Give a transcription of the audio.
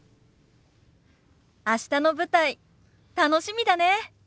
明日の舞台楽しみだね。